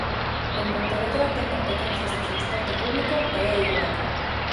En Pontevedra ten competencias de transporte público e é igual.